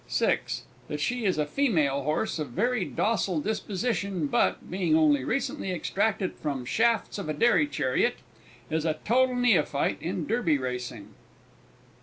(6.) That she is a female horse of very docile disposition, but, being only recently extracted from shafts of dairy chariot, is a total neophyte in Derby racing.